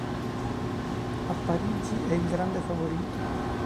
A Parigi è il grande favorito.